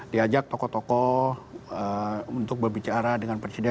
diajak tokoh tokoh untuk berbicara dengan presiden